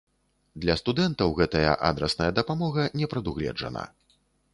Для студэнтаў гэтая адрасная дапамога не прадугледжана.